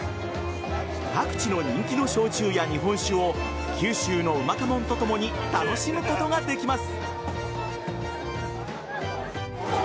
各地の人気の焼酎や日本酒を九州のうまかもんとともに楽しむことができます。